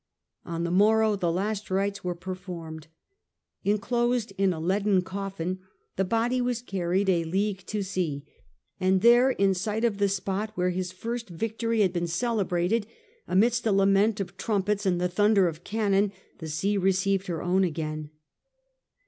On the morrow the last rites were performed. Enclosed in a leaden cofBin the body was carried a league to sea, and there in sight of the spot where his first victory had been celebrated, amidst a lament of trumpets and the thunder of cannon, the sea received her own again.